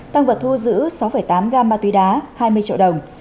tăng vật thu giữ sáu tám gam ma túy đá hai mươi triệu đồng